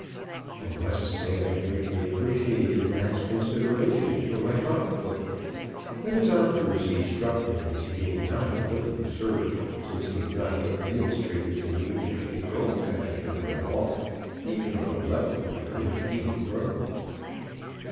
I must say I greatly appreciated Mac's consideration for my pocket book, but his obduracy struck me as being not a little absurd, since he had not yet demonstrated to me that he could go faster than a walk, even on a level and unimpeded road.